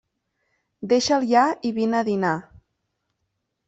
Deixa'l ja i vine a dinar.